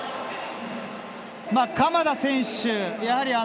鎌田選手。